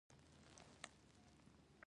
لوبې ډېرې جسمي او روحي روغتیايي ګټې لري.